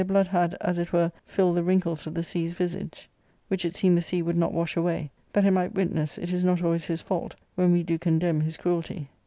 blQ.QdJiLad, as it were J filled the wrinkles of the sea's visage,^ which it seemed the sea would not wash away, that it might witness it is not , always his fault when we do condemn his cruelty.